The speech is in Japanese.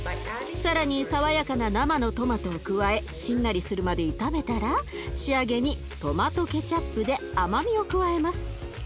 更に爽やかな生のトマトを加えしんなりするまで炒めたら仕上げにトマトケチャップで甘みを加えます。